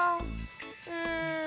うん。